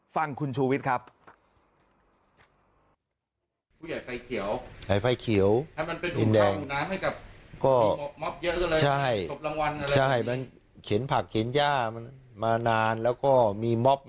ฟังคุณชูวิทย์ครับ